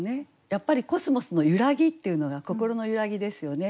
やっぱりコスモスの揺らぎっていうのが心の揺らぎですよね。